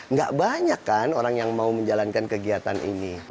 nggak banyak kan orang yang mau menjalankan kegiatan ini